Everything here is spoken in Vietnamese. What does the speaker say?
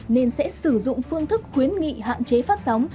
nên sẽ sử dụng phương thức khuyến nghị hạn chế phát sóng